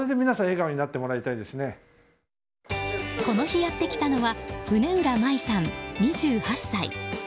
この日やってきたのは采浦舞さん、２８歳。